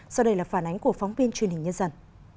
sau đây là phản ánh của phóng viên truyền hình nhân dân